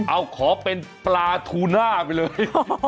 เอาขอเป็นปลาทูน่าไปเลย